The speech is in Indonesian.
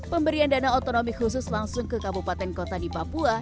pemberian dana otonomik khusus langsung ke kabupaten kota di papua